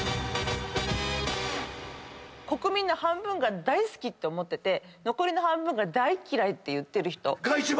国民の半分が大好きと思ってて残りの半分が大嫌いっていってる人。